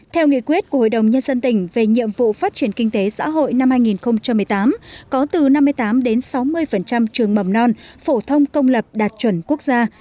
theo nghị quyết của hội đồng nhân dân tỉnh về nhiệm vụ phát triển kinh tế xã hội năm hai nghìn một mươi tám có từ năm mươi tám đến sáu mươi trường mầm non phổ thông công lập đạt chuẩn quốc gia